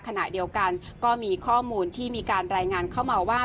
ขณะเดียวกันก็มีข้อมูลที่มีการรายงานเข้ามาว่า